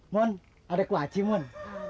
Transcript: mon ada kuaci mon